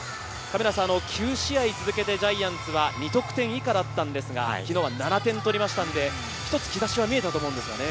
９試合続けてジャイアンツは２得点以下だったんですが、昨日は７点取りましたので、一つ兆しは見えたと思うんですよね。